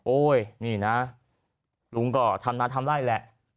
โอ้ยนี่นะหลุงก็ทำมาทำได้แหละ